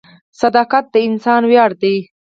• صداقت د انسان ویاړ دی.